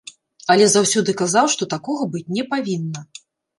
Але заўсёды казаў, што такога быць не павінна.